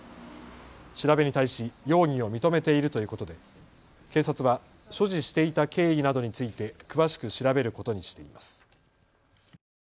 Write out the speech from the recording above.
調べに対し容疑を認めているということで警察は所持していた経緯などについて詳しく調べることにしています。